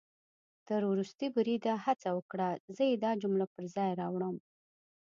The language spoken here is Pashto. تر ورستي بریده هڅه وکړه، زه يې دا جمله پر ځای راوړم